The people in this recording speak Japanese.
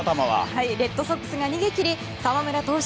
レッドソックスが逃げ切り澤村投手